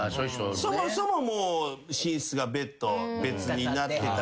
そもそも寝室がベッド別になってたんで。